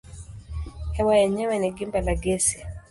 Hewa yenyewe ni gimba la gesi.